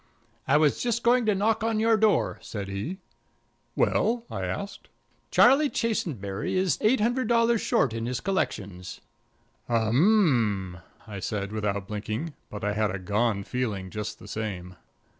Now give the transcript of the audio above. "I was just going to knock on your door," said he. "Well?" I asked. "Charlie Chasenberry is eight hundred dollars short in his collections." "Um m," I said, without blinking, but I had a gone feeling just the same.